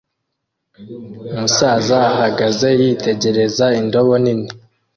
Umusaza ahagaze yitegereza indobo nini